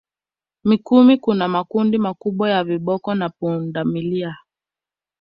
Mikumi kuna makundi makubwa ya viboko na pundamilia